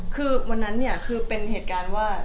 คือวันนั้นเนี่ยคือเป็นเหตุการณ์ว่า